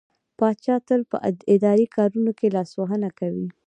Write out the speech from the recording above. پاچا تل په اداري کارونو کې لاسوهنه کوي.